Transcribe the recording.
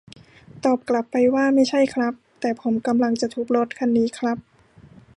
ตอบกลับไปว่า ไม่ใช่ครับ แต่ผมกำลังจะทุบรถคันนี้ครับ